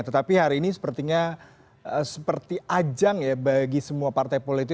tetapi hari ini sepertinya seperti ajang ya bagi semua partai politik